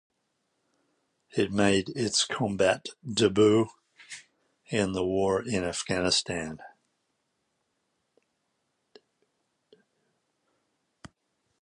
It made its combat debut in the War in Afghanistan.